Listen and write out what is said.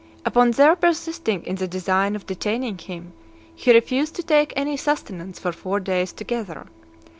Upon their persisting in the design of detaining him, he refused to take any sustenance for four days together.